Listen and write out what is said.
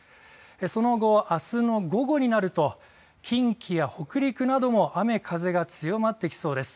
その後、あすの午後になると、近畿や北陸なども雨風が強まってきそうです。